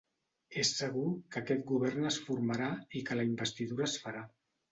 És segur que aquest govern es formarà i que la investidura es farà.